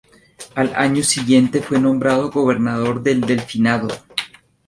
Al año siguiente fue nombrado gobernador del Delfinado.